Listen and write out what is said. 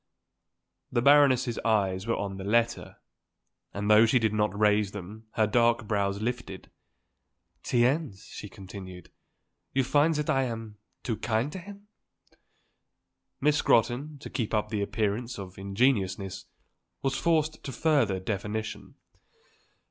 The Baroness's eyes were on her letter, and though she did not raise them her dark brows lifted. "Tiens," she continued, "you find that I am too kind to him?" Miss Scrotton, to keep up the appearance of ingenuousness, was forced to further definition.